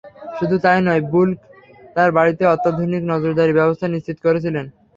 শুধু তাই নয়, বুলক তাঁর বাড়িতে অত্যাধুনিক নজরদারির ব্যবস্থা নিশ্চিত করেছিলেন।